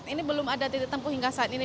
ini belum ada titik tempuh hingga saat ini